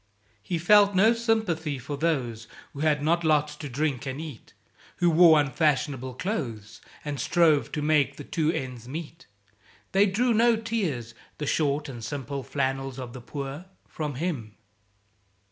He felt no sympathy for those Who had not lots to drink and eat, Who wore unfashionable clothes, And strove to make the two ends meet; (They drew no tears, "the short and sim Ple flannels of the Poor," from him.)